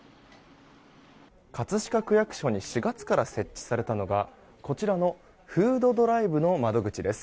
葛飾区役所に４月から設置されたのがこちらのフードドライブの窓口です。